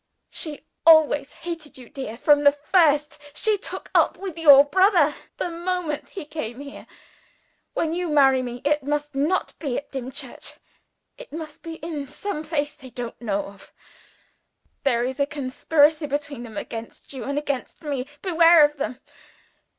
She always hated you, dear, from the first she took up with your brother the moment he came here. When you marry me, it mustn't be at Dimchurch; it must be in some place they don't know of. There is a conspiracy between them against you and against me. Beware of them!